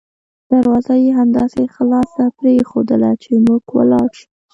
دروازه یې همداسې خلاصه پریښودله چې موږ ولاړ شوو.